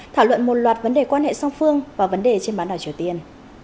thảo luận một loạt vấn đề quan hệ song phương và vấn đề trên bán đảo triều tiên